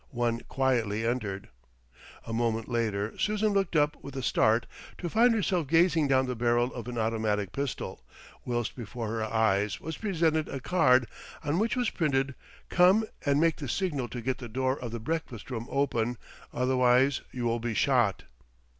One quietly entered. A moment later Susan looked up with a start to find herself gazing down the barrel of an automatic pistol, whilst before her eyes was presented a card on which was printed, "Come and make the signal to get the door of the breakfast room open, otherwise you will be shot."